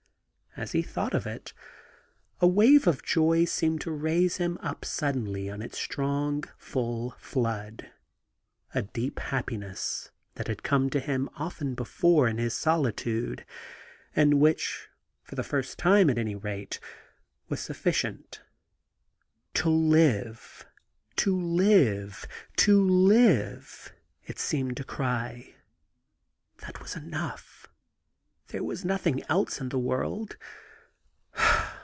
As he thought of it a wave of joy seemed to raise him up suddenly on its strong, full flood; a deep happiness that had come to him often before in his solitude, and which, for the time at any rate, was sufficient To live! to livel to live I it seemed to cry — that was enough ; there was nothing else in the world.